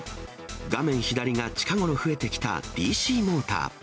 画面下が近頃増えてきたＤＣモーター。